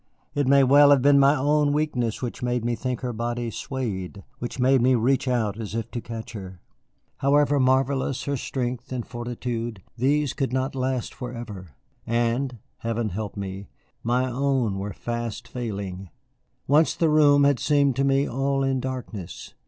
It may well have been my own weakness which made me think her body swayed, which made me reach out as if to catch her. However marvellous her strength and fortitude, these could not last forever. And Heaven help me my own were fast failing. Once the room had seemed to me all in darkness.